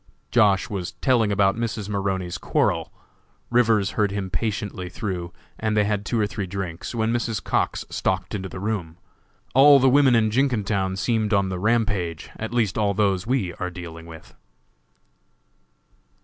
Josh. was telling about Mrs. Maroney's quarrel. Rivers heard him patiently through, and they had two or three drinks, when Mrs. Cox stalked into the room. All the women in Jenkintown seemed on the rampage, at least all those we are dealing with.